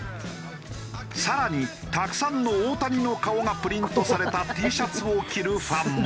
更にたくさんの大谷の顔がプリントされたＴシャツを着るファンも。